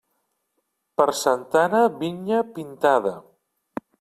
Per Santa Anna, vinya pintada.